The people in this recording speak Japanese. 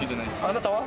あなたは？